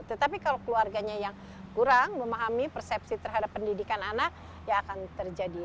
tetapi kalau keluarganya yang kurang memahami persepsi terhadap pendidikan anak ya akan terjadi